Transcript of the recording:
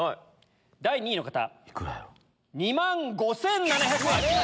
第２位の方２万５７００円！